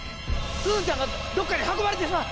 すずちゃんがどっかに運ばれてしまう！